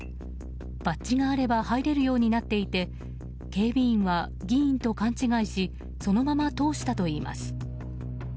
バッジがあれば入れるようになっていて警備員は議員と勘違いしそのまま通したといいます。